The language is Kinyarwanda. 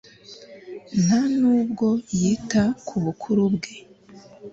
nta n'ubwo yita ku bukuru bwe